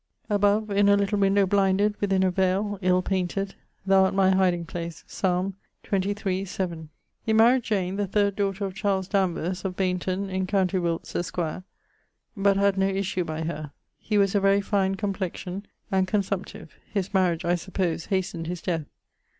Above, in a little windowe blinded, within a veile (ill painted), Thou art my hideing place, Psalm xxxii. 7. He maried Jane, the third daughter of Charles Danvers, of Bayntun, in com. Wilts, esq. but had no issue by her. He was a very fine complexion and consumptive. His mariage, I suppose, hastened his death.